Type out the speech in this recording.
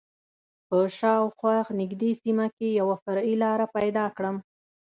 په شا او خوا نږدې سیمه کې یوه فرعي لاره پیدا کړم.